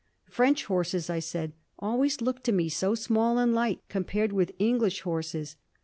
"French horses," I said, "always look to me so small and light compared with English horses."